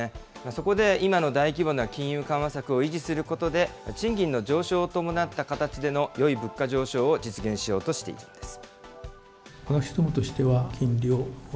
そこで今の大規模な金融緩和策を維持することで、賃金の上昇を伴った形での、よい物価上昇を実現しようとしているんです。